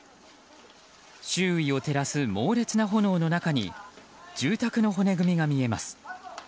周囲を照らす猛烈な炎の中に住宅の骨組みが見えます。